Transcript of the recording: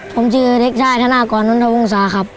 ผมชื่อเด็กชายธนากรนนทวงศาครับ